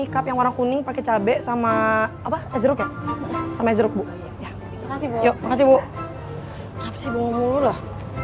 kenapa sih bawa bawa lu lah